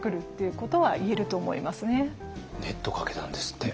ネットかけたんですって。